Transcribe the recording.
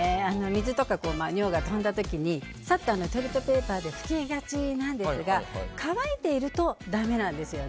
水とか尿が飛んだ時にさっとトイレットペーパーで拭きがちなんですが乾いているとだめなんです。